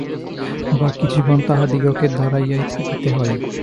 বাকী জীবন তাহাদিগকে দাঁড়াইয়াই থাকিতে হয়।